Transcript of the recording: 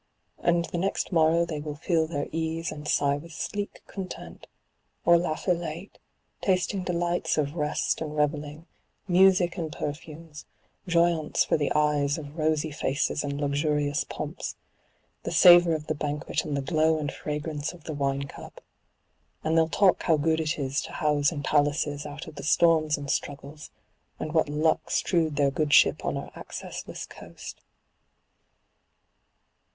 And the next morrow they will feel their ease and sigh with sleek content, or laugh elate, tasting delights of rest and revelling, music and perfumes, joyaunce for the eyes of rosy faces and luxurious pomps, the savour of the banquet and the glow and fragrance of the wine cup ; and they'll talk how good it is to house in palaces out of the storms and struggles, and what luck strewed their good ship on our accessless coast.